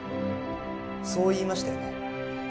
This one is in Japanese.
そう言いましたよね？